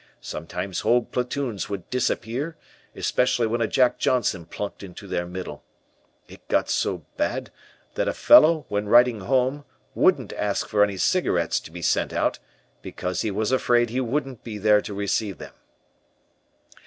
Sometimes whole platoons would disappear, especially when a 'Jack Johnson' plunked into their middle. It got so bad, that a fellow, when writing home, wouldn't ask for any cigarettes to be sent out, because he was afraid he wouldn't be there to receive them.